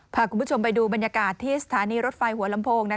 พาคุณผู้ชมไปดูบรรยากาศที่สถานีรถไฟหัวลำโพง